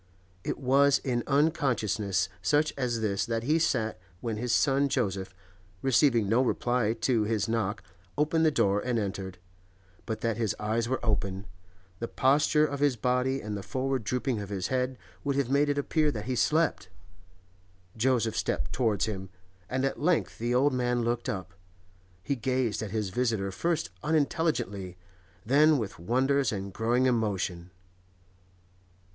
It was in unconsciousness such as this that he sat when his son Joseph, receiving no reply to his knock, opened the door and entered; but that his eyes were open, the posture of his body and the forward drooping of his head would have made it appear that he slept. Joseph stepped towards him, and at length the old man looked up. He gazed at his visitor first unintelligently, then with wonder and growing emotion.